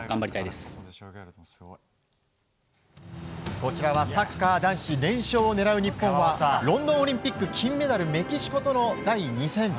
こちらはサッカー男子連勝を狙う日本はロンドンオリンピック金メダルメキシコとの第２戦。